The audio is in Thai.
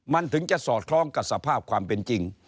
มันถึงจะสอดคล้องกับสภาพความเป็นจริง